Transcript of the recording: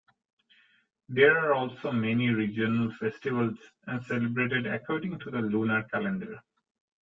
There are also many regional festivals celebrated according to the lunar calendar.